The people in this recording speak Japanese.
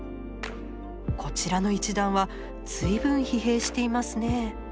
こちらの一団は随分疲弊していますね。